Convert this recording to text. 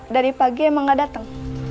dari pagi emang gak datang